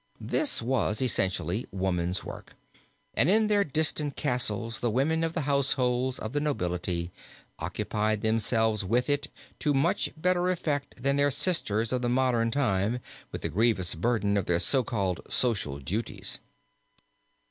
This was essentially woman's work, and in their distant castles the women of the households of the nobility occupied themselves with it to much better effect than their sisters of the modern time with the grievous burden of their so called social duties.